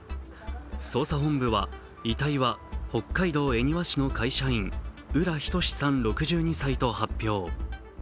捜査本部は遺体は北海道恵庭市の会社員、浦仁志さん６２歳と発表。